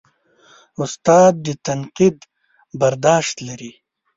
استاد د تنقید برداشت لري.